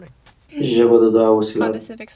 ژبه د دعا وسیله ده